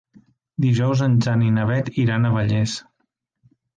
Dijous en Jan i na Beth iran a Vallés.